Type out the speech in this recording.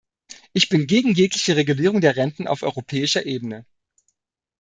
Ich bin gegen jegliche Regulierung der Renten auf europäischer Ebene.